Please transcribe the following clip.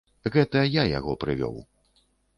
Гэта я яго прывёў.